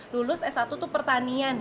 lulus s satu tuh pertanian ya